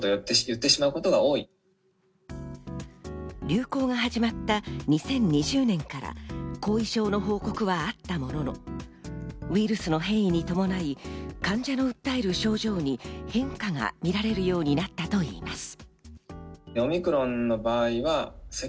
流行が始まった２０２０年から後遺症の報告はあったものの、ウイルスの変異に伴い、患者の訴える症状に変化が見られるようになったといいます。